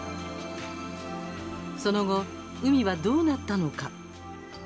その後、海はどうなったのか？